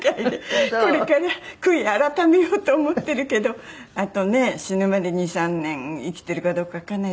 これから悔い改めようと思ってるけどあとね死ぬまで２３年生きてるかどうかわかんない